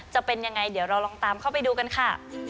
จะเป็นยังไงเดี๋ยวเราลองตามเข้าไปดูกันค่ะ